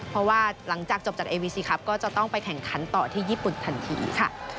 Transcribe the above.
เพราะว่าหลังจากจบจากเอวีซีครับก็จะต้องไปแข่งขันต่อที่ญี่ปุ่นทันทีค่ะ